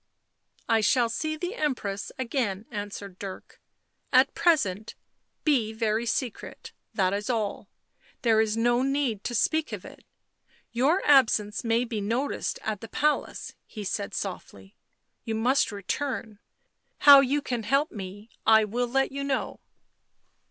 " I shall see the Empress again," answered Dirk. "At present — be very secret; that is all — there is no need to speak of it. Your absence may be noticed at the palace," he said softly. " You must return. How you can help me I will let you know."